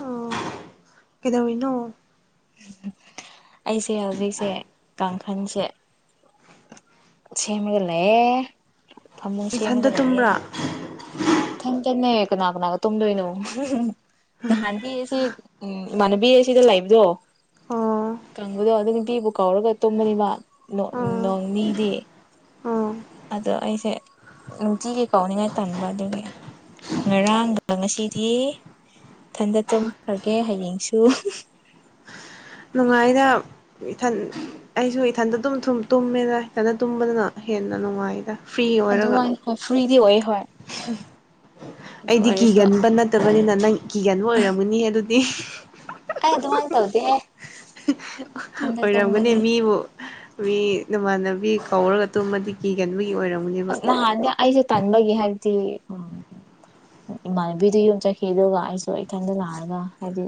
ꯑꯣ ꯀꯩꯗꯧꯔꯤꯅꯣ ꯑꯩꯁꯦ ꯍꯧꯖꯤꯛꯁꯦ ꯀꯥꯡꯈꯟꯁꯦ ꯁꯦꯝꯦꯃꯒ ꯂꯩꯌꯦ ꯐꯃꯨꯡ ꯁꯦꯝꯃꯒ ꯅꯊꯟꯇ ꯂꯩꯌꯦ ꯇꯨꯝꯕ꯭ꯔꯥ [unintelligible] ꯀꯅꯥ ꯀꯅꯥꯒ ꯇꯨꯝꯗꯣꯏꯅꯣ ꯅꯍꯥꯟꯗꯤ ꯑꯁꯤ ꯎꯝ ꯏꯃꯥꯟꯅꯕꯤ ꯑꯁꯤꯗ ꯂꯩꯕꯗꯣ ꯑꯣ ꯀꯪꯕꯨꯗꯣ ꯑꯗꯨꯝ ꯅꯨꯄꯤꯕꯨ ꯀꯥꯎꯔꯒ ꯇꯨꯝꯃꯅꯤꯕ ꯅꯣꯛ ꯑꯣ ꯅꯣꯡꯅꯤꯗꯤ ꯑꯣ ꯑꯗꯣ ꯑꯩꯁꯦ ꯅꯨꯡꯇꯤꯒꯤ ꯀꯧꯅꯤꯡꯉꯥꯏ ꯇꯟꯕ ꯑꯗꯨꯒꯤ ꯉꯔꯥꯡꯒ ꯉꯁꯤꯗꯤ ꯏꯊꯟꯗ ꯇꯨꯝꯈ꯭ꯔꯒꯦ ꯍꯌꯦꯡꯁꯨ ꯅꯨꯡꯉꯥꯏꯅ ꯏꯊꯟ ꯑꯩꯁꯨ ꯏꯊꯟꯗ ꯑꯗꯨꯝ ꯊꯨꯝ ꯇꯨꯝꯃꯦꯅ ꯏꯊꯟꯗ ꯇꯨꯝꯕꯗꯅ ꯍꯦꯟꯅ ꯅꯨꯡꯉꯥꯏꯗ ꯐ꯭ꯔꯤ ꯑꯣꯏꯔꯒ ꯑꯗꯨꯃꯥꯏꯅ ꯍꯣꯏ ꯐ꯭ꯔꯤꯗꯤ ꯑꯣꯏꯌꯦ ꯍꯣꯏ ꯑꯗꯨ ꯑꯩꯗꯤ ꯑꯣꯏꯔꯁꯨ ꯀꯤꯒꯟꯕ ꯅꯠꯇꯕꯅꯤꯅ ꯅꯪ ꯀꯤꯒꯟꯕ ꯑꯣꯏꯔꯝꯒꯅꯤ ꯑꯗꯨꯗꯤ ꯑꯩ ꯑꯗꯨꯃꯥꯏ ꯇꯧꯗꯦꯍꯦ ꯑꯣꯏꯔꯝꯒꯅꯤ ꯃꯤꯕꯨ ꯃꯤ ꯅꯃꯥꯟꯅꯕꯤ ꯀꯧꯔꯒ ꯇꯨꯝꯃꯗꯤ ꯀꯤꯒꯟꯕꯒꯤ ꯑꯣꯏꯔꯝ ꯑꯁ ꯅꯍꯥꯟꯗꯤ ꯑꯩꯁꯦ ꯇꯟꯕꯒꯤ ꯍꯥꯏꯕꯗꯤ ꯏꯃꯥꯟꯅꯕꯤꯗꯨ ꯌꯨꯝ ꯆꯠꯈꯤ ꯑꯗꯨꯒ ꯑꯩꯁꯨ ꯏꯊꯟꯗ ꯂꯥꯛꯑꯒ ꯍꯥꯏꯗꯤ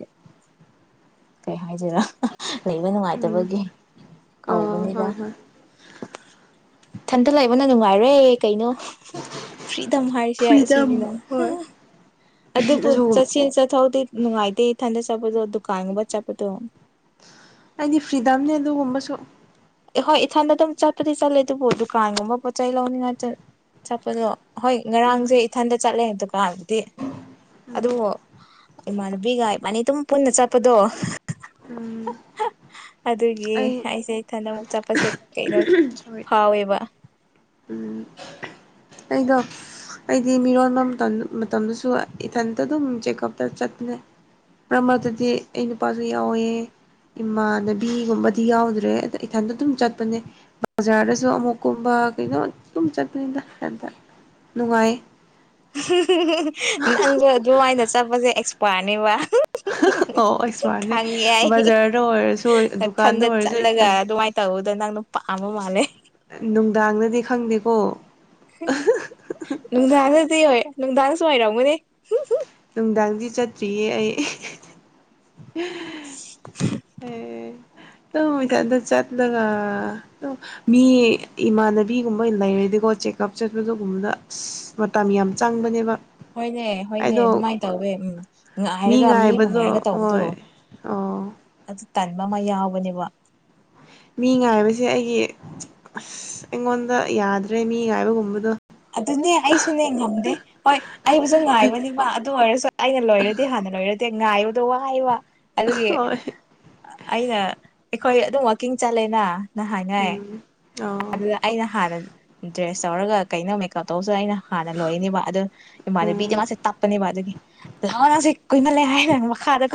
ꯀꯩ ꯍꯥꯏꯗꯦꯣꯏꯔ ꯂꯩꯕ ꯎꯝ ꯅꯨꯡꯉꯥꯏꯇꯕꯒꯤ ꯑꯣ ꯀꯧꯕꯅꯤꯗ ꯍꯣꯏ ꯍꯣꯏ ꯏꯟꯇ ꯂꯩꯕꯅ ꯅꯨꯡꯉꯥꯏꯔꯦ ꯀꯩꯅꯣ ꯐ꯭ꯔꯤꯗꯝ ꯍꯥꯏꯁꯦ ꯐ꯭ꯔꯤꯗꯝ ꯁꯤꯅꯤꯅꯦ ꯍꯣꯏ ꯑꯗꯨꯕꯨ ꯑꯗꯨꯒꯨꯝ ꯆꯠꯁ ꯆꯠꯊꯣꯛꯗꯦ ꯅꯨꯡꯉꯥꯏꯇꯦ ꯏꯊꯟꯗ ꯆꯠꯄꯗꯣ ꯗꯨꯀꯥꯟꯕ ꯆꯠꯄꯗꯣ ꯍꯥꯏꯗꯤ ꯐ꯭ꯔꯤꯗꯝꯅꯦ ꯑꯗꯨꯒꯨꯝꯕꯁꯨ ꯑꯦ ꯍꯣꯏ ꯏꯊꯟꯗ ꯑꯗꯨꯝ ꯆꯠꯄꯗꯤ ꯆꯠꯂꯦ ꯑꯗꯨꯕꯨ ꯗꯨꯀꯥꯟꯒꯨꯝꯕ ꯄꯣꯠꯆ ꯆꯩ ꯂꯧꯅꯤꯡꯉꯥꯏ ꯆꯠꯄꯗꯣ ꯍꯣꯏ ꯎꯝ ꯉꯔꯥꯡꯁꯦ ꯏꯊꯟꯗ ꯆꯠꯂꯦ ꯗꯨꯀꯥꯟꯗꯨꯗꯤ ꯎꯝ ꯑꯗꯨꯕꯨ ꯏꯃꯥꯟꯅꯕꯤꯒ ꯏꯕꯥꯅꯤ ꯑꯗꯨꯝ ꯄꯨꯟꯅ ꯆꯠꯄꯗꯣ ꯎꯝ ꯑꯗꯨꯒꯤ ꯑꯩ ꯑꯩꯁꯦ ꯏꯊꯟꯗ ꯑꯃꯨꯛ ꯆꯠꯄꯁꯦ ꯀꯩꯅꯣ ꯁꯣꯔꯤ ꯐꯥꯎꯋꯦꯕ ꯎꯝ ꯑꯩꯗꯣ ꯑꯩꯗꯤ ꯃꯤꯔꯣꯟꯕ ꯃꯇꯝ ꯃꯇꯝꯗꯨꯁꯨ ꯏꯊꯟꯇ ꯑꯗꯨꯝ ꯆꯦꯛꯀꯞꯇ ꯆꯠꯄꯅꯦ ꯃꯔꯛ ꯃꯔꯛꯇꯗꯤ ꯑꯩ ꯅꯨꯄꯥꯁꯨ ꯌꯥꯎꯋꯦ ꯏꯃꯥꯟꯅꯕꯤꯒꯨꯝꯕꯗꯤ ꯌꯥꯎꯗ꯭ꯔꯦ ꯑꯗ ꯏꯊꯟꯇ ꯑꯗꯨꯝ ꯆꯠꯄꯅꯦ ꯕꯖꯥꯔꯗꯁꯨ ꯑꯃꯨꯛꯀꯨꯝꯕ ꯀꯩꯅꯣ ꯑꯗꯨꯝ ꯆꯠꯄꯅꯤꯗ ꯏꯊꯟꯇ ꯅꯨꯡꯉꯥꯏꯌꯦ [unintelligible] ꯅꯪꯁꯨ ꯑꯗꯨꯃꯥꯏꯅ ꯆꯠꯄꯁꯦ ꯑꯦꯛꯁꯄꯥꯔꯅꯦꯕ ꯑꯣ ꯑꯩꯁꯃꯥꯔꯠꯅꯦ ꯈꯪꯉꯦ ꯑꯩ ꯕꯖꯥꯔꯗ ꯑꯣꯏꯔꯁꯨ ꯗꯨꯀꯥꯟꯗ ꯃꯊꯟꯗ ꯑꯣꯏꯔꯁꯨ ꯆꯠꯂꯒ ꯏꯊꯟ ꯑꯗꯨꯃꯥꯏ ꯇꯧꯕꯗꯣ ꯅꯪꯅ ꯄꯥꯃꯝꯕ ꯃꯥꯜꯂꯦ ꯅꯨꯡꯗꯥꯡꯗꯗꯤ ꯈꯪꯗꯦꯀꯣ ꯅꯨꯡꯗꯥꯡꯗꯗꯤ ꯍꯣꯏ ꯅꯨꯡꯗꯥꯡꯁꯨ ꯋꯥꯏꯔꯝꯒꯅꯤ ꯅꯨꯡꯗꯥꯡꯗꯤ ꯆꯠꯇ꯭ꯔꯤꯌꯦ ꯑꯩ ꯇ ꯃ ꯊꯗ ꯆꯠꯂꯒ ꯃꯤ ꯏꯃꯥꯟꯅꯕꯤꯒꯨꯝꯕ ꯂꯩꯔꯗꯤꯀꯣ ꯆꯦꯛꯑꯞ ꯆꯠꯄꯗꯨꯒꯨꯝꯕꯗ ꯑꯁ ꯃꯇꯝ ꯌꯥꯝ ꯆꯪꯕꯅꯦꯕ ꯍꯣꯏꯅꯦ ꯍꯣꯏꯅꯦ ꯑꯩꯗꯣ ꯑꯗꯨꯃꯥꯏꯅ ꯇꯧꯋꯦ ꯎꯝ ꯉꯥꯏꯔꯒ ꯃꯤ ꯑꯃ ꯉꯥꯏꯕꯗꯣ ꯉꯥꯏꯔꯒ ꯇꯧꯕꯗꯣ ꯍꯣꯏ ꯑꯣ ꯑꯗꯨ ꯇꯟꯕ ꯑꯃ ꯌꯥꯎꯕꯅꯦꯕ ꯃꯤ ꯉꯥꯏꯕꯁꯦ ꯑꯩꯒꯤ ꯑꯁ ꯑꯩꯉꯣꯟꯗ ꯌꯥꯗ꯭ꯔꯦ ꯃꯤ ꯉꯥꯏꯕꯒꯨꯝꯕꯗꯣ ꯑꯗꯨꯅꯦ ꯑꯩꯁꯨꯅꯦ ꯉꯝꯗꯦ ꯍꯣꯏ ꯑꯩꯕꯨꯁꯨ ꯉꯥꯏꯕꯅꯦꯕ ꯑꯗꯨ ꯑꯣꯏꯔꯁꯨ ꯑꯩꯅ ꯂꯣꯏꯔꯗꯤ ꯍꯥꯟꯅ ꯂꯣꯏꯔꯗꯤ ꯉꯥꯏꯌꯨꯗꯣ ꯋꯥ ꯋꯥ ꯑꯗꯨꯒꯤ ꯍꯣꯏ ꯑꯩꯅ ꯑꯩꯈꯣꯏ ꯑꯗꯨꯝ ꯋꯀꯤꯡ ꯆꯠꯂꯦꯅꯅ ꯍꯥꯏꯅꯩ ꯎꯝ ꯑꯣ ꯑꯗꯨꯗ ꯑꯩꯅ ꯍꯥꯟꯅ ꯗ꯭ꯔꯦꯁ ꯇꯧꯔꯒ ꯀꯩꯅꯣ ꯃꯦꯀꯞ ꯇꯧꯁꯨ ꯑꯩꯅ ꯍꯥꯟꯅ ꯂꯣꯏꯅꯦꯕ ꯑꯗꯨ ꯏꯃꯥꯟꯅꯕꯤ ꯀ ꯎꯝ ꯃꯥꯥꯁꯦ ꯇꯞꯄꯅꯦꯕ ꯑꯗꯨꯒꯤ ꯂꯅ ꯁꯤ ꯀꯣꯏꯅ ꯂꯩ ꯑ ꯍꯥꯏ ꯃꯈꯥꯗ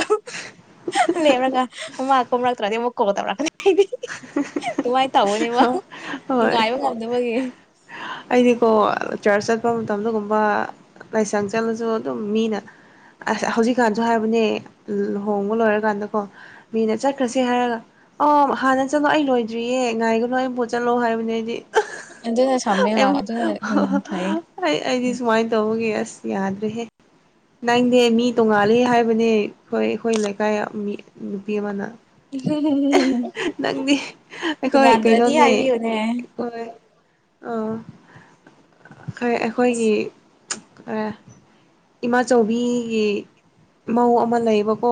ꯅꯒ ꯃꯥ ꯀ ꯑꯃ ꯇ꯭ꯔꯗꯤ ꯑꯃꯛ ꯀꯣꯗꯔꯅꯤ ꯍꯥꯏꯗꯤ ꯑꯗꯨꯃꯥꯏꯅ ꯇꯧꯕꯅꯦꯕ ꯍꯣꯏ ꯉꯥꯏꯕ ꯉꯝꯗꯅꯕꯒꯤ ꯑꯩꯗꯤꯀꯣ ꯆꯔꯆ ꯆꯠꯄ ꯃꯇꯝꯗꯒꯨꯝꯕ ꯂꯥꯏꯁꯪ ꯆꯠꯂꯁꯨ ꯑꯗꯨꯝ ꯃꯤꯅ ꯑꯁ ꯍꯧꯖꯤꯛꯀꯥꯟꯁꯨ ꯍꯥꯏꯕꯅꯦ ꯂꯨꯍꯣꯡꯕ ꯂꯣꯏꯔꯀꯥꯟꯗꯀꯣ ꯃꯤꯅ ꯆꯠꯈ꯭ꯔꯁꯤ ꯍꯥꯏꯔꯒ ꯑ ꯍꯥꯟꯅ ꯆꯠꯂꯣ ꯑꯩ ꯂꯣꯏꯗ꯭ꯔꯤꯌꯦ ꯉꯥꯏꯒꯅꯨ ꯑꯩ ꯄꯣꯠ ꯆꯠꯂꯣ ꯍꯥꯏꯕꯅꯦ ꯑꯩꯗꯤ ꯑ ꯑꯗꯨꯅ ꯁꯃꯦ ꯑꯣꯏ ꯑꯗꯨ ꯑꯩꯕꯨ ꯑꯗꯨꯅ ꯎꯝ ꯊꯥꯏ ꯑꯩ ꯑꯩꯗꯤ ꯁꯨꯃꯥꯏꯅ ꯇꯧꯕꯒꯤ ꯑꯁ ꯌꯥꯗ꯭ꯔꯦꯍꯦ ꯅꯪꯅꯦ ꯃꯤ ꯇꯣꯡꯉꯥꯂ ꯍꯥꯏꯕꯅꯦ ꯑꯩꯈꯣꯏ ꯑꯩꯈꯣꯏ ꯂꯩꯀꯥꯏ ꯃꯤ ꯅꯨꯄꯤ ꯑꯃꯅ ꯎꯝ ꯅꯪꯗꯤ ꯑꯩꯈꯣꯏ ꯇꯤꯡꯉꯥꯟꯗ꯭ꯔꯗꯤ ꯀꯩꯅꯣꯅꯦ ꯍꯥꯏꯕꯤꯌꯨꯅꯦ ꯍꯣꯏ ꯑꯥ ꯑꯁ ꯑꯩꯈꯣꯏꯒꯤ ꯏꯃꯥꯆꯏꯕꯤꯒꯤ ꯃꯧ ꯑꯃ ꯂꯩꯌꯦꯕꯀꯣ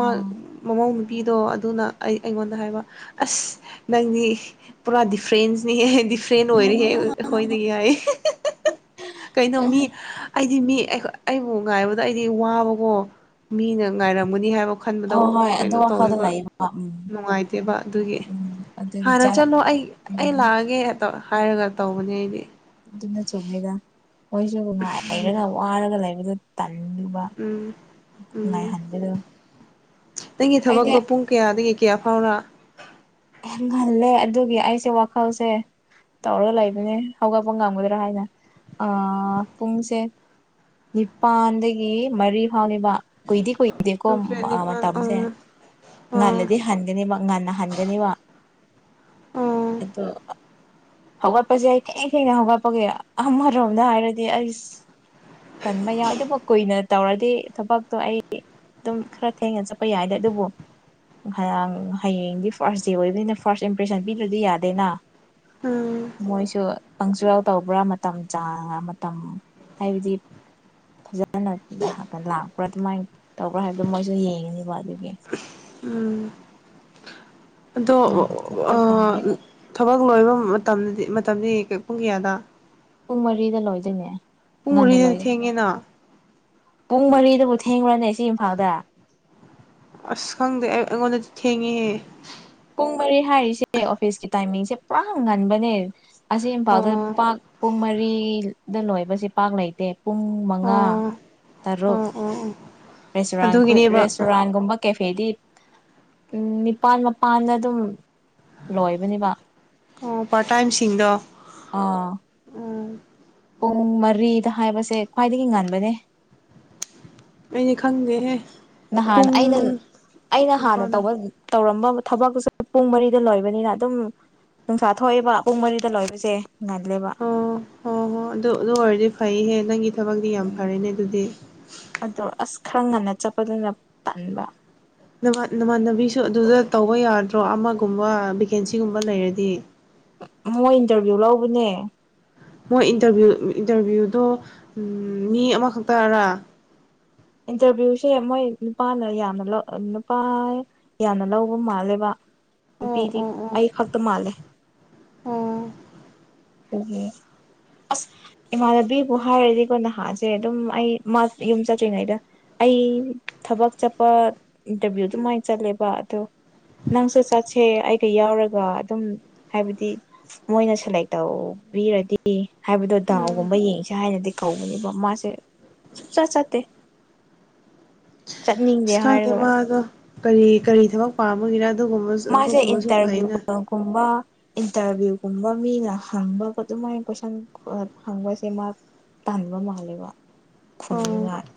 ꯑꯥ ꯃꯃꯧ ꯅꯨꯨꯄꯤꯗꯣ ꯑꯗꯨꯅ ꯑꯩ ꯑꯩꯉꯣꯟꯗ ꯍꯥꯏꯕ ꯑꯁ ꯅꯪꯗꯤ ꯄꯨꯔꯥ ꯗꯤꯐ꯭ꯔꯦꯟꯁꯅꯤ ꯇ꯭ꯔꯦꯟ ꯑꯣꯏꯔꯤꯍꯦ ꯑꯩꯈꯣꯏꯅ ꯌꯥꯏ ꯀꯩꯅꯣ ꯃꯤ ꯑꯩꯗꯤ ꯃꯤ ꯑꯩꯕꯨ ꯉꯥꯏꯕꯗ ꯑꯩꯗꯤ ꯋꯥꯕꯀꯣ ꯃꯤꯅ ꯉꯥꯏꯔꯝꯒꯅꯤ ꯍꯥꯏꯕ ꯈꯟꯕꯗꯣ ꯍꯣꯏ ꯑꯗꯨ ꯀꯩꯅꯣ ꯋꯥꯈꯜꯗ ꯇꯧꯋꯦꯕ ꯑ ꯎꯝ ꯅꯨꯡꯉꯥꯏꯇꯦꯕ ꯑꯗꯨꯒꯤ ꯎꯝ ꯑꯗꯨꯒꯤ ꯍꯥꯟꯅ ꯆꯥ ꯆꯠꯂꯣ ꯑꯩ ꯑꯩ ꯎꯝ ꯂꯥꯛꯑꯒꯦ ꯍꯥꯏꯔꯒ ꯇꯧꯕꯅꯦ ꯑꯩꯗꯤ ꯑꯗꯨꯅ ꯆꯨꯝꯉꯩꯗ ꯃꯣꯏꯁꯨ ꯉꯥꯏ ꯍꯩꯔꯒ ꯋꯥꯔꯒ ꯂꯩꯕꯗ ꯇꯜꯂꯨꯕ ꯎꯝ ꯎꯝ ꯉꯥꯏꯍꯟꯕꯗꯣ ꯅꯪꯒꯤ ꯑꯩꯗꯤ ꯊꯕꯛꯇꯣ ꯄꯨꯡ ꯀꯌꯥꯗꯒꯤ ꯀꯌꯥ ꯐꯥꯎꯔ ꯍꯍꯜꯂꯦ ꯑꯗꯨꯒꯤ ꯑꯩꯁꯦ ꯋꯥꯈꯜꯁꯦ ꯇꯧꯔꯒ ꯂꯩꯕꯅꯦ ꯍꯧꯒꯠꯄ ꯉꯝꯒꯗ꯭ꯔꯥ ꯍꯥꯏꯅ ꯄꯨꯡꯁꯦ ꯅꯤꯄꯥꯟꯗꯒꯤ ꯃꯔꯤ ꯐꯥꯎꯅꯤꯕ ꯀꯨꯏꯗꯤ ꯀꯨꯏ ꯑꯗꯨꯗꯤꯀꯣ ꯇꯔꯨꯛ ꯇꯔꯦꯠ ꯅꯤꯄꯥꯜ ꯃꯇꯝꯁꯦ ꯑꯥ ꯑꯥ ꯉꯜꯂꯗꯤ ꯍꯟꯒꯅꯦꯕ ꯉꯟꯅ ꯍꯟꯒꯅꯦꯕ ꯑꯥ ꯑꯣ ꯍꯧꯒꯠꯄꯁꯦ ꯑꯩ ꯊꯦꯡ ꯊꯦꯡꯩꯅ ꯍꯧꯒꯠꯄꯒꯤ ꯑꯃꯔꯣꯝꯗ ꯍꯥꯏꯔꯗꯤ ꯑꯩꯁ ꯀꯟꯕ ꯌꯥꯎꯏ ꯑꯗꯨꯕꯨ ꯀꯨꯏꯅ ꯇꯧꯔꯗꯤ ꯊꯕꯛꯇꯣ ꯑꯩ ꯑꯗꯨꯝ ꯈꯔ ꯊꯦꯡꯅ ꯆꯠꯄ ꯌꯥꯏꯗꯦ ꯑꯗꯨꯕꯨ ꯉꯔꯥꯡ ꯍꯌꯦꯡꯗꯤ ꯐꯥꯔꯁ ꯗꯦ ꯑꯣꯏꯕꯅꯤꯅ ꯐꯥꯔꯁ ꯏꯝꯄ꯭ꯔꯦꯁꯟ ꯄꯤꯗꯗꯤ ꯌꯥꯗꯦꯅ ꯎꯝ ꯃꯣꯏꯁꯨ ꯄꯪꯆꯨꯋꯦꯜ ꯇꯧꯕ꯭ꯔꯥ ꯃꯇꯝ ꯆꯥꯡꯅ ꯃꯇꯝ ꯍꯥꯏꯕꯗꯤ ꯐꯖꯅ ꯂꯥꯛꯄ꯭ꯔꯥ ꯑꯗꯨꯃꯥꯏꯅ ꯇꯧꯕ꯭ꯔꯥ ꯍꯥꯏꯕꯗꯣ ꯃꯣꯏꯁꯨ ꯌꯦꯡꯉꯅꯤꯕ ꯑꯗꯨꯒꯤ ꯎꯝ ꯑꯗꯣ ꯉꯟꯅ ꯑ ꯆꯠꯄ ꯇꯥꯔꯦ ꯊꯕꯛ ꯂꯣꯏꯕ ꯃꯇꯝꯗꯤ ꯃꯇꯝꯗꯤ ꯄꯨꯡ ꯀꯌꯥꯗ ꯄꯨꯡ ꯃꯔꯤꯗ ꯂꯣꯏꯗꯣꯏꯅꯦ ꯄꯨꯡ ꯉꯟꯅ ꯃꯔꯤꯗꯗꯤ ꯂꯣꯏꯒꯅꯤꯕ ꯊꯦꯡꯉꯦꯅ ꯄꯨꯡ ꯃꯔꯤꯗꯕꯨ ꯊꯦꯡꯈꯨꯔꯅꯦ ꯁꯤ ꯏꯝꯐꯥꯜꯗ ꯑꯁ ꯈꯪꯗꯦ ꯑꯩ ꯑꯩꯉꯣꯟꯗꯗꯤ ꯊꯦꯡꯉꯦꯍꯦ ꯄꯨꯡ ꯃꯔꯤ ꯍꯥꯏꯔꯤꯁꯦ ꯑꯣꯐꯤꯁꯀꯤ ꯇꯥꯏꯃꯤꯡꯁꯦ ꯄꯨꯔꯥ ꯉꯟꯕꯅꯦ ꯑꯁꯤ ꯏꯝꯐꯥꯜꯗ ꯑꯣ ꯄꯥꯛ ꯄꯨꯡ ꯃꯔꯤꯗ ꯂꯣꯏꯕꯁꯤꯦ ꯄꯥꯛ ꯂꯩꯇꯦ ꯄꯨꯡ ꯄꯨꯡ ꯃꯉꯥ ꯑꯣ ꯇꯔꯨꯛ ꯑꯣ ꯑꯣ ꯑꯣ ꯔꯦꯁꯨꯔ ꯑꯗꯨꯒꯤꯅꯦꯕ ꯔꯦꯁꯇꯨꯔꯥꯟꯒꯨꯝꯕ ꯀꯦꯐꯦꯗꯤ ꯎꯝ ꯅꯤꯄꯜ ꯃꯄꯥꯟꯗ ꯑꯗꯨꯝ ꯂꯣꯏꯕꯅꯦꯕ ꯑꯣ ꯄꯥꯇꯥꯏꯝꯁꯤꯡꯗꯣ ꯑꯥ ꯄꯨꯡ ꯃꯔꯤꯗ ꯍꯥꯏꯕꯁꯦ ꯈ꯭ꯋꯥꯏꯗꯒꯤ ꯉꯟꯕꯅꯦ ꯑꯩꯗꯤ ꯈꯪꯗꯦꯍꯦ ꯅꯍꯥꯟ ꯑꯩꯅ ꯄꯨꯡ ꯑꯩꯅ ꯍꯥꯟꯅ ꯅꯤꯄꯥꯜ ꯇꯧꯕ ꯇꯧꯔꯝꯕ ꯊꯕꯛꯇꯨꯁꯨ ꯄꯨꯡ ꯃꯔꯤꯗ ꯂꯣꯏꯕꯅꯤꯅ ꯑꯗꯨꯝ ꯅꯨꯡꯁꯥ ꯊꯣꯛꯑꯦꯕ ꯄꯨꯡ ꯃꯔꯤꯗ ꯂꯣꯏꯕꯁꯦ ꯉꯜꯂꯦꯕ ꯑꯣ ꯍꯣ ꯍꯣ ꯑꯗꯨ ꯑꯗꯨ ꯑꯣꯏꯔꯗꯤ ꯐꯩꯍꯦ ꯅꯪꯒꯤ ꯊꯕꯛꯇꯤ ꯌꯥꯝ ꯎꯝ ꯐꯔꯦꯅꯦ ꯑꯗꯨꯗꯤ ꯑꯗꯣ ꯑꯁ ꯈꯔ ꯉꯟꯅ ꯆꯠꯄꯗꯨꯅ ꯇꯟꯕ ꯅꯥꯟ ꯅꯃꯥꯟꯅꯕꯤꯁꯨ ꯑꯗꯨꯗ ꯇꯧꯕ ꯌꯥꯗ꯭ꯔꯣ ꯑꯃꯒꯨꯝꯕ ꯚꯦꯀꯦꯟꯁꯤꯒꯨꯝꯕ ꯂꯩꯔꯗꯤ ꯃꯣꯏ ꯏꯟꯇꯔꯚꯤꯌꯨ ꯂꯧꯕꯅꯦ ꯃꯣꯏ ꯏꯟꯇꯔꯚꯤꯌꯨ ꯏꯟꯇꯔꯚꯤꯌꯨꯗꯣ ꯃꯤ ꯑꯃꯈꯛꯇꯔꯥ ꯏꯟꯇꯔꯚꯤꯌꯨꯁꯦ ꯃꯣꯏ ꯅꯨꯄꯥꯅ ꯌꯥꯝꯅ ꯅꯨꯄꯥ ꯌꯥꯝꯅ ꯂꯧꯕ ꯃꯥꯜꯂꯦꯕ ꯑꯣ ꯅꯨꯄꯤꯗꯤ ꯑꯣ ꯑꯣ ꯑꯩ ꯈꯛꯇ ꯃꯥꯜꯂꯦ ꯑꯣ ꯑꯗꯨꯗꯒꯤ ꯑꯁ ꯏꯃꯥꯟꯅꯕꯤꯕꯨ ꯍꯥꯏꯔꯗꯤꯀꯣ ꯅꯍꯥꯁꯦ ꯑꯗꯨꯝ ꯑꯩ ꯌꯨꯝ ꯆꯠꯇ꯭ꯔꯤꯉꯩꯗ ꯑꯩ ꯊꯕꯛ ꯆꯠꯄ ꯏꯟꯇꯔꯚꯤꯌꯨ ꯑꯗꯨꯃꯥꯏꯅ ꯆꯠꯂꯦꯕ ꯑꯗꯣ ꯅꯪꯁꯨ ꯆꯠꯁꯦ ꯑꯩꯒ ꯌꯥꯎꯔꯒ ꯑꯗꯨꯝ ꯍꯥꯏꯕꯗꯤ ꯃꯣꯏꯅꯁꯨ ꯂꯩ ꯇꯧꯕꯤꯔꯗꯤ ꯍꯥꯏꯕꯗꯣ ꯎꯝ ꯗꯥꯎꯒꯨꯝꯕ ꯌꯦꯡꯁꯦ ꯍꯥꯏꯅꯗꯤ ꯀꯧꯕꯧꯅꯦꯕ ꯃꯥꯁꯦ ꯁꯨꯡꯆꯥꯠ ꯆꯠꯇꯦ ꯆꯠꯅꯤꯡꯗꯦ ꯑꯁ ꯈꯪꯗꯦ ꯍꯥꯏꯔꯒ ꯃꯥꯗꯣ ꯀꯔꯤ ꯀꯔꯤ ꯊꯕꯛ ꯄꯥꯝꯕꯒꯤꯔ ꯑꯗꯨꯒꯨꯝꯕꯁꯨ ꯃꯥꯁꯦ ꯐꯩꯅ ꯏꯟꯇꯔꯚꯤꯌꯨꯒꯨꯝꯕ ꯏꯟꯇꯔꯚꯤꯌꯨꯒꯨꯝꯕ ꯃꯤꯅ ꯍꯪꯕ ꯑꯗꯨꯃꯥꯏꯅ ꯀꯣꯏꯁꯟ ꯍꯪꯕꯁꯦ ꯃꯥ ꯇꯥꯟꯕꯕ ꯃꯥꯂꯦꯕ ꯑꯣ ꯈꯣꯟꯅꯤꯉꯥꯏ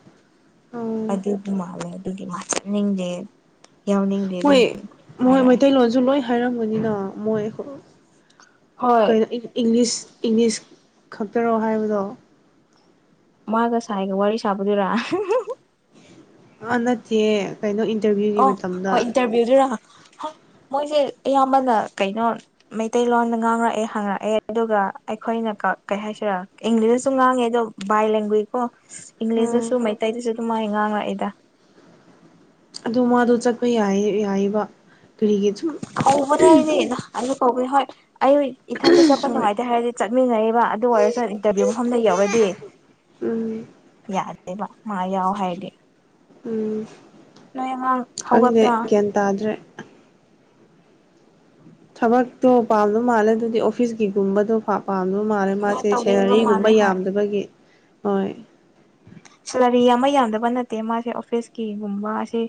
ꯑꯣ ꯑꯗꯨꯗꯤ ꯃꯥꯜꯂꯦ ꯑꯗꯨꯗꯤ ꯃꯥ ꯆꯠꯅꯤꯡꯗꯦ ꯌꯥꯎꯅꯤꯡ ꯍꯣꯏ ꯃꯣꯏ ꯃꯩꯇꯩꯂꯣꯟꯁꯨ ꯂꯣꯏ ꯍꯥꯏꯔꯝꯕꯅꯤꯅ ꯃꯣꯏ ꯍꯣꯏ ꯀꯩꯅꯣ ꯏꯪꯂꯤꯁ ꯏꯪꯂꯤꯁ ꯈꯛꯇꯔꯣ ꯍꯥꯏꯕꯗꯣ ꯃꯥꯒ ꯁꯥꯏꯒ ꯋꯥꯔꯤ ꯁꯥꯕꯗꯨꯔꯥ ꯑ ꯅꯠꯇꯦ ꯀꯩꯅꯣ ꯏꯟꯇꯔꯚꯤꯌꯨꯒꯤ ꯃꯇꯝꯗ ꯔꯥ ꯃꯣꯏꯁꯦ ꯑꯌꯥꯝꯕꯅ ꯀꯩꯅꯣ ꯃꯩꯇꯩꯂꯣꯟꯗ ꯉꯥꯡꯔꯛꯑꯦ ꯍꯪꯉꯛꯑꯦ ꯑꯗꯨꯒ ꯑꯩꯈꯣꯏꯅ ꯀꯩ ꯍꯥꯏꯁꯤꯔꯥ ꯏꯪꯂꯤꯁꯇꯁꯨ ꯉꯥꯡꯉꯦ ꯑꯣ ꯕꯥꯏ ꯂꯦꯡꯒ꯭ꯋꯦꯁ ꯀꯣ ꯎꯝ ꯏꯪꯂꯤꯁꯇꯁꯨ ꯃꯩꯇꯩꯗꯁꯨ ꯑꯗꯨ ꯃꯥꯥꯏ ꯉꯥꯡꯉꯛꯑꯏꯗ ꯑꯗꯨ ꯃꯥꯗꯣ ꯆꯠꯄ ꯌꯥꯏ ꯌꯥꯏꯕ ꯇꯨꯔꯤꯒꯤ ꯁꯨꯝ ꯀꯧꯕꯅꯦ ꯑꯩꯗꯤ ꯑꯗꯨ ꯀꯧꯕꯅꯦ ꯍꯣꯏ ꯑꯩ ꯏꯊꯟꯗ ꯆꯠꯄ ꯁꯣꯔꯤ ꯅꯨꯡꯉꯥꯏꯇꯦ ꯍꯥꯏꯔꯗꯤ ꯆꯠꯃꯤꯟꯅꯔꯤꯕ ꯑꯗꯨ ꯑꯣꯏꯔꯁꯨ ꯏꯟꯇꯔꯚꯤꯌꯨ ꯃꯐꯝꯗ ꯌꯧꯔꯗꯤ ꯎꯝ ꯌꯥꯗꯦꯕ ꯃꯥ ꯌꯥꯎ ꯍꯥꯏꯗꯤ ꯎꯝ ꯈꯪꯗꯦ ꯍꯧꯒꯠꯄ꯭ꯔꯥ ꯒ꯭ꯌꯥꯟ ꯇꯥꯗ꯭ꯔꯦ ꯊꯕꯛꯇꯣ ꯄꯥꯝꯗꯧ ꯃꯥꯜꯂꯦ ꯑꯗꯨꯗꯤ ꯑꯣꯐꯤꯁꯀꯤꯒꯨꯝꯕꯗꯣ ꯐꯥ ꯄꯥꯝꯗꯕ ꯃꯥꯜꯂꯦ ꯑꯃ ꯃꯥꯁꯦ ꯇꯧꯅꯤꯡꯕ ꯁꯦꯂꯔꯤꯒꯨꯝꯕ ꯃꯥꯜꯂꯦ ꯍꯣꯏ ꯌꯥꯝꯗꯕꯒꯤ ꯍꯣꯏ ꯁꯦꯂꯔꯤ ꯑꯃ ꯌꯥꯝꯗꯕ ꯅꯠꯇꯦ ꯃꯥꯁꯦ ꯑꯣꯐꯤꯁ ꯀꯒꯨꯝꯕ ꯑꯁꯤ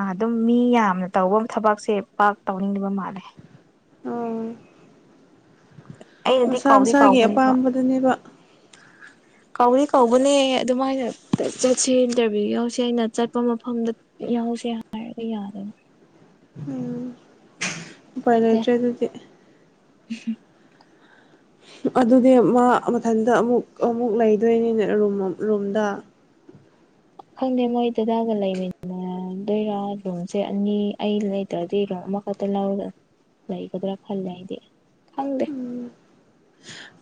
ꯑꯗꯨꯝ ꯃꯤ ꯌꯥꯝꯅ ꯇꯧꯕ ꯊꯕꯛꯁꯦ ꯄꯥꯛ ꯇꯧꯅꯤꯡꯗꯕ ꯃꯥꯜꯂꯦ ꯑꯣ ꯑꯩꯅꯗꯤ ꯃꯁꯥ ꯀꯧꯗꯤ ꯃꯁꯥꯒꯤ ꯀꯧꯕꯅꯦꯕ ꯑꯄꯥꯝꯕꯗꯅꯦꯕ ꯀꯧꯔꯤ ꯀꯧꯕꯅꯦ ꯑꯗꯨꯃꯥꯏꯅ ꯆꯠꯁꯤ ꯏꯟꯇꯔꯚꯤꯌꯨ ꯌꯥꯎꯁꯤ ꯑꯩꯅ ꯆꯠꯄ ꯃꯐꯝꯗ ꯌꯥꯎꯁꯦ ꯍꯥꯏꯔꯒ ꯌꯥꯗꯕ ꯎꯝ ꯄꯅꯆꯦ ꯑꯗꯨ ꯎꯝ ꯑꯗꯨꯗꯤ ꯃꯥ ꯃꯊꯟꯇ ꯑꯃꯨꯛ ꯑꯃꯨꯛ ꯂꯩꯗꯣꯏꯅꯤꯅꯦ ꯔꯨꯝꯗ ꯈꯪꯗꯦ ꯃꯣꯏ ꯑꯗꯨꯗꯥꯒ ꯂꯩꯃꯤꯅꯤꯅꯦ ꯂꯗꯣꯏꯔꯥ ꯔꯨꯝꯁꯦ ꯑꯅꯤ ꯑꯩ ꯂꯩꯇ꯭ꯔꯗꯤ ꯔꯨꯝ ꯑꯃꯈꯛꯇ ꯂꯧꯗ ꯂꯩꯒꯗ꯭ꯔꯥ ꯈꯜꯂꯦ ꯍꯥꯏꯗꯤ ꯈꯪ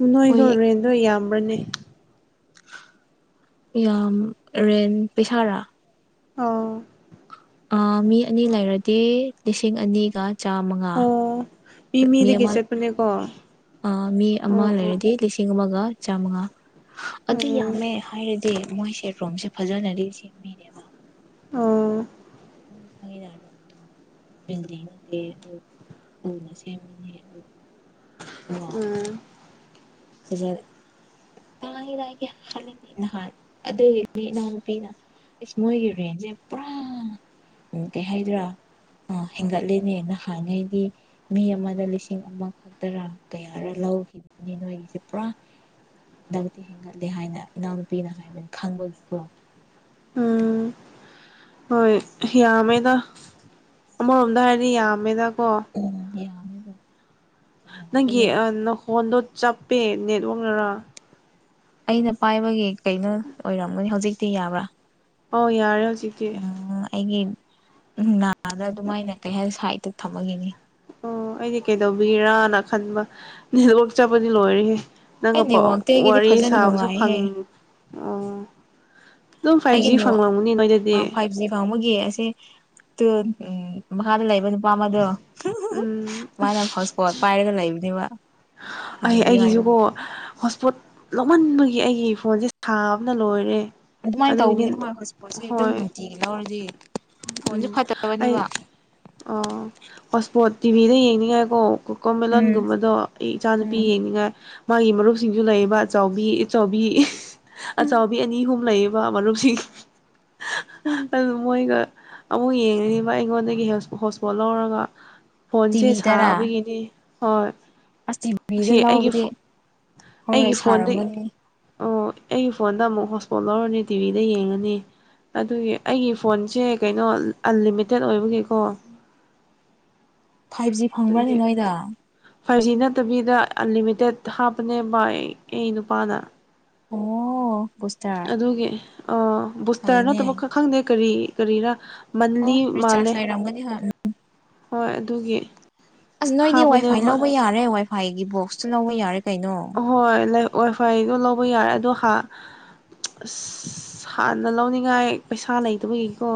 ꯎꯝ ꯅꯣꯏꯗꯣ ꯔꯦꯟꯗꯣ ꯌꯥꯝꯕ꯭ꯔꯅꯦ ꯌꯥꯝ ꯔꯦꯟ ꯄꯦꯁꯥꯔꯥ ꯑꯥꯎ ꯑ ꯃꯤ ꯑꯅꯤ ꯂꯩꯔꯗꯤ ꯂꯤꯁꯤꯡ ꯑꯅꯤꯒ ꯆꯥꯃꯉꯥ ꯑꯣ ꯃꯤ ꯃꯤꯗꯒꯤ ꯃꯤꯃꯜ ꯆꯠꯄꯅꯦꯀꯣ ꯑ ꯃꯤ ꯑꯃ ꯑꯣ ꯑꯣ ꯂꯩꯔꯗꯤ ꯂꯤꯁꯤꯡ ꯑꯃꯒ ꯆꯥꯃꯉꯥ ꯑꯗꯨ ꯎꯝ ꯌꯥꯝꯃꯦ ꯍꯥꯏꯔꯗꯤ ꯁꯤꯦ ꯃꯣꯏ ꯁꯦꯠ ꯔꯣꯝꯁꯦ ꯐꯖꯅꯗꯤ ꯁꯦꯝꯃꯤꯅꯦꯕ ꯑꯥ ꯅꯪꯁꯨ ꯈꯪꯉꯤ ꯌꯥꯔꯔꯕꯣ ꯕꯤꯜꯗꯤꯡ ꯅꯠꯇꯦ ꯑꯗꯨ ꯁꯨꯅ ꯁꯦꯝꯕꯅꯤ ꯑꯗꯨ ꯎꯝ ꯋꯥꯦ [inaudible] ꯇꯥꯏ ꯇꯒꯤ ꯍꯂꯗ ꯅ ꯍꯥꯥꯟ ꯑꯗꯨꯗ ꯅꯥꯟ ꯄꯅ ꯏꯁ ꯃꯣꯏꯒꯤ ꯔꯦꯟꯁꯦ ꯄꯨꯔꯥ ꯎꯝ ꯀꯩ ꯍꯥꯏꯗ꯭ꯔꯥ ꯑ ꯍꯦꯟꯒꯠꯂꯦꯅꯦ ꯅꯍꯥꯟꯉꯩꯗꯤ ꯃꯤ ꯑꯃꯗ ꯂꯤꯁꯤꯡ ꯑꯃꯈꯛꯇꯔꯥ ꯀꯌꯥꯔ ꯂꯧꯈꯤꯕꯅꯤ ꯅꯣꯏꯒꯤꯁꯦ ꯄꯨꯔꯥ ꯍꯟꯗꯛꯇꯤ ꯍꯦꯟꯒꯠꯂꯦ ꯍꯥꯏꯅ ꯏꯅꯥꯎꯅꯨꯄꯤꯅ ꯍꯥꯏꯕꯅꯤ ꯈꯪꯕꯒꯤ ꯄꯣ ꯎꯝ ꯍꯣꯏ ꯌꯥꯝꯃꯦꯗ ꯑꯃꯔꯣꯝꯗ ꯍꯥꯏꯔꯗꯤ ꯌꯥꯝꯃꯦꯗꯀꯣ ꯎꯝ ꯌꯥꯃꯦꯕ ꯅꯪꯒꯤ ꯐꯣꯟꯗꯣ ꯆꯞꯄꯦ ꯅꯦꯠꯋꯥꯛꯅꯔ ꯑꯩꯅ ꯄꯥꯏꯕꯒꯤ ꯀꯩꯅꯣ ꯑꯣꯏꯔꯝꯒꯅꯤ ꯍꯧꯖꯤꯛꯇꯤ ꯌꯥꯕ꯭ꯔꯥ ꯑꯣ ꯌꯥꯔꯦ ꯍꯧꯖꯤꯛ ꯎꯝ ꯑꯩꯒꯤ ꯅꯥꯗ ꯑꯗꯨꯃꯥꯏꯅ ꯀꯩ ꯍꯥꯏꯅꯤ ꯁꯥꯏꯠꯇ ꯊꯝꯃꯒꯅꯤ ꯑꯣ ꯑꯩꯗꯤ ꯀꯩꯗꯧꯕꯤꯔꯥꯅ ꯈꯟꯕ ꯅꯦꯠꯋꯥꯔꯛ ꯆꯞꯄꯗꯤ ꯂꯣꯏꯔꯦꯍꯦ ꯑꯩ ꯅꯪꯒ ꯄꯧ ꯅꯦꯠꯋꯥꯛꯇꯤ ꯑꯩꯒꯤꯗꯤ ꯋꯥꯔꯤ ꯐꯖꯅ ꯁꯥꯕꯁꯨ ꯐꯪ ꯅꯨꯡꯉꯥꯏꯍꯦ ꯑꯣ ꯑꯗꯨꯝ ꯐꯥꯏꯚ ꯑꯩꯒꯤ ꯖꯤ ꯅꯦꯋꯥ ꯐꯪꯂꯝꯒꯅꯤ ꯑ ꯅꯣꯏꯗꯗꯤ ꯐꯥꯏꯚ ꯖꯤ ꯐꯪꯕꯒꯤ ꯑꯁꯦ ꯎꯝ ꯎꯝ ꯃꯈꯥꯗ ꯂꯩꯕ ꯅꯨꯄꯥ ꯑꯃꯗꯣ ꯍꯨꯝ ꯍꯨꯝ ꯍꯨꯝ ꯎꯝ ꯃꯥꯅ ꯍꯣꯠꯁꯄꯣꯠ ꯄꯥꯏꯔꯒ ꯂꯩꯕꯅꯦꯕ ꯑꯩ ꯍꯥꯡꯕꯤꯌꯨ ꯑꯩꯒꯤꯁꯤꯕꯣ ꯍꯥꯏꯕꯒꯤ ꯍꯣꯠꯁꯄꯣꯠ ꯂꯧꯍꯟꯕꯒꯤ ꯑꯩꯒꯤ ꯐꯣꯟꯁꯦ ꯁꯥꯕꯅ ꯂꯣꯏꯔꯦ ꯑꯗꯨꯃꯥꯏꯅ ꯑꯗꯨꯒꯤꯅꯦ ꯇꯧꯕꯅꯤ ꯍꯣꯏ ꯍꯧꯁꯄꯣꯠꯁꯦ ꯑꯗꯨꯝ ꯍꯣꯏ ꯅꯨꯡꯇꯤꯒꯤ ꯂꯧꯔꯗꯤ ꯐꯣꯟꯁꯨ ꯐꯠꯇꯕꯅꯦꯕ ꯑ ꯍꯣꯠꯁꯄꯣꯠ ꯇꯤꯚꯤꯗ ꯌꯦꯡꯅꯤꯡꯉꯥꯏꯀꯣ ꯎꯝ ꯀꯣꯀꯣꯃꯦꯂꯂꯣꯟꯒꯨꯝꯕꯗꯣ ꯑꯩ ꯏꯆꯥꯅꯨꯄꯤ ꯎꯝ ꯌꯦꯡꯅꯤꯡꯉꯥꯏ ꯃꯥꯒꯤ ꯃꯔꯨꯞꯁꯤꯡꯁꯨ ꯂꯩꯔꯤꯕ ꯑꯆꯥꯎꯕꯤ ꯑꯆꯥꯎꯕꯤ ꯑꯆꯥꯎꯕꯤ ꯑꯅꯤ ꯑꯍꯨꯝ ꯂꯩꯌꯦꯕ ꯃꯔꯨꯞꯁꯤꯡ ꯑꯗꯨ ꯃꯣꯏꯒ ꯑꯃꯨꯛ ꯌꯦꯡꯉꯔꯤꯕ ꯑꯩꯉꯣꯟꯗꯒꯤ ꯍꯣꯁꯄꯣꯠ ꯂꯧꯔꯒ ꯐꯣꯟꯁꯦ ꯇꯤꯚꯤꯗꯔꯥ ꯁꯥꯕꯒꯤꯅꯤ ꯍꯣꯏ ꯑꯁ ꯑꯁꯤ ꯇꯤꯚꯤꯗ ꯑꯩꯒꯤ ꯂꯧꯕꯗꯤ ꯍꯣꯏ ꯑꯩꯒꯤ ꯐꯣꯟꯗ ꯁꯥꯔꯝꯒꯅꯤ ꯑꯣ ꯑꯩꯒꯤ ꯐꯣꯟꯗ ꯑꯃꯨꯛ ꯍꯣꯁꯄꯣꯠ ꯂꯧꯔꯅꯤ ꯇꯤꯚꯤꯗ ꯌꯦꯡꯉꯅꯤ ꯑꯗꯨꯒꯤ ꯑꯩꯒꯤ ꯐꯣꯟꯁꯦ ꯀꯩꯅꯣ ꯑꯟꯂꯤꯃꯤꯇꯦꯠ ꯑꯣꯏꯕꯒꯤꯀꯣ ꯐꯥꯏꯚ ꯖꯤ ꯐꯪꯕ꯭ꯔꯥꯅꯦ ꯑꯗꯨꯒꯤ ꯅꯣꯏꯗꯣ ꯐꯥꯏꯚ ꯖꯤ ꯅꯠꯇꯕꯤꯗ ꯑꯟꯂꯤꯃꯤꯇꯦꯠ ꯍꯥꯞꯄꯅꯦ ꯕꯥꯏ ꯑꯩ ꯅꯨꯄꯥꯅ ꯑꯣ ꯕꯨꯁꯇꯔ ꯑꯗꯨꯒꯤ ꯑ ꯕꯨꯁꯇꯔ ꯐꯩꯅꯦ ꯅꯠꯇꯕ ꯈ ꯈꯪꯗꯦ ꯀꯔꯤ ꯀꯔꯤꯔꯥ ꯑꯣ ꯃꯟꯂꯤ ꯃꯥꯜꯂꯦ ꯔꯤꯆꯥꯔꯖ ꯂꯩꯔꯝꯒꯅꯤ ꯍꯣꯏ ꯍꯣꯏ ꯑꯗꯨꯒꯤ ꯑꯁ ꯅꯣꯏꯗꯤ ꯋꯥꯏ ꯐꯥꯏ ꯍꯥꯞꯄꯅꯦꯕ ꯂꯧꯕ ꯌꯥꯔꯦ ꯋꯥꯏ ꯐꯥꯏꯒꯤ ꯕꯣꯛꯁꯇꯨ ꯂꯧꯕ ꯌꯥꯔꯦ ꯀꯩꯅꯣ ꯍꯣꯏ ꯂꯩ ꯋꯥꯏ ꯐꯥꯏꯒꯤꯗꯣ ꯂꯧꯕ ꯌꯥꯔꯦ ꯑꯗꯣ ꯍꯥ ꯑꯁ ꯍꯥꯟꯅ ꯂꯧꯅꯤꯡꯉꯥꯏ ꯄꯩꯁꯥ ꯂꯩꯇꯕꯒꯤꯀꯣ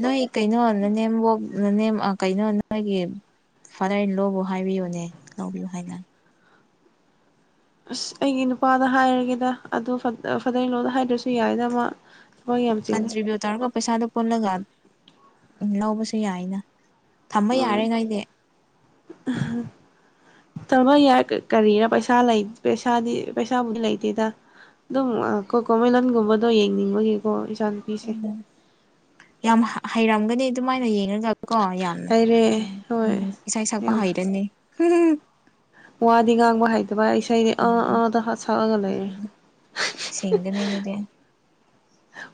ꯅꯣꯏ ꯀꯩꯅꯣ ꯅꯅꯦꯝꯕꯣꯛ ꯅꯅꯦꯝ ꯀꯩꯅꯣ ꯅꯣꯏꯒꯤ ꯐꯥꯗꯔ ꯏꯟ ꯂꯣꯕꯨ ꯍꯥꯏꯕꯤꯌꯨꯅꯦ ꯂꯧꯕꯤꯌꯨ ꯍꯥꯏꯅ ꯑꯁ ꯑꯩꯒꯤ ꯅꯨꯄꯥꯗ ꯍꯥꯏꯔꯒꯦꯗ ꯑꯗꯨ ꯐꯗ ꯐꯗꯔ ꯏꯟ ꯂꯣꯗ ꯍꯥꯏꯗ꯭ꯔꯁꯨ ꯌꯥꯏꯗ ꯃꯥ ꯊꯕꯛ ꯌꯥꯝ ꯆꯤꯜꯂꯦ ꯀꯟꯇ꯭ꯔꯤꯕ꯭ꯌꯨꯠ ꯇꯧꯔꯒ ꯄꯩꯁꯥꯗꯣ ꯄꯨꯜꯂꯒ ꯂꯧꯕꯁꯨ ꯌꯥꯏꯅ ꯊꯝꯕ ꯌꯥꯔꯦꯉꯩꯗꯤ ꯑꯍ ꯇꯃ ꯌꯥꯏ ꯀꯔꯤꯔ ꯄꯩꯁꯥ ꯂꯩ ꯄꯩꯁꯥꯗꯤ ꯄꯩꯁꯥꯕꯨꯗꯤ ꯂꯩꯇꯦꯗꯥ ꯑꯗꯨꯝ ꯀꯣꯀꯣꯃꯦꯂꯟꯒꯨꯝꯕꯗꯣ ꯌꯦꯡꯅꯤꯡꯕꯒꯤꯀꯣ ꯏꯆꯥꯟ ꯎꯝ ꯌꯥꯝ ꯍꯩꯔꯝꯒꯅꯤ ꯑꯗꯨꯃꯥꯏꯅ ꯌꯦꯡꯔꯒ ꯀꯣ ꯌꯥꯝꯅ ꯍꯩꯔꯦ ꯍꯣꯏ ꯎꯝ ꯏꯁꯩ ꯁꯛꯄ ꯌꯥꯝ ꯍꯩꯔꯅꯤ ꯍꯨꯝ ꯍꯨꯝ ꯋꯥꯗꯤ ꯉꯥꯡꯕ ꯍꯩꯇꯕ ꯏꯁꯩꯗꯤ ꯑꯥ ꯑꯥꯗ ꯁꯛꯑꯒ ꯂꯩꯔꯦ ꯑꯗꯨꯅꯤ ꯑꯗꯨꯗꯤ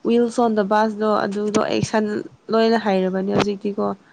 ꯋꯤꯜꯁ ꯑꯣꯟ ꯗ ꯕꯥꯁꯗꯣ ꯑꯗꯨꯗꯣ ꯑꯦꯛꯁꯟ ꯂꯣꯏꯅ ꯍꯩꯔꯕꯅꯦ ꯍꯧꯖꯤꯛꯇꯤꯀꯣ